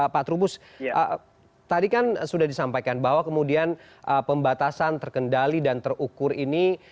pak trubus tadi kan sudah disampaikan bahwa kemudian pembatasan terkendali dan terukur ini